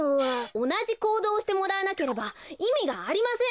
おなじこうどうをしてもらわなければいみがありません！